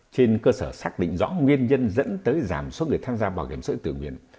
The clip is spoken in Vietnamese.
trên cơ sở xác định rõ nguyên nhân dẫn tới giảm số người tham gia bảo hiểm xã hội tự nguyên